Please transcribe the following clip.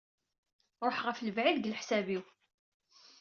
Ruḥeɣ ɣef lebɛid deg leḥsab-iw.